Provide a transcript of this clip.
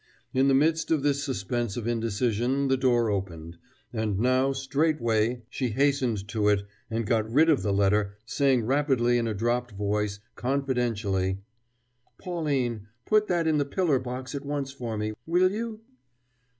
In the midst of this suspense of indecision the door opened; and now, straightway, she hastened to it, and got rid of the letter, saying rapidly in a dropped voice, confidentially: "Pauline, put that in the pillar box at once for me, will you?"